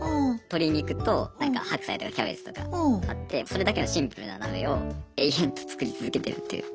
鶏肉となんか白菜とかキャベツとか買ってそれだけのシンプルな鍋を延々作り続けてるという。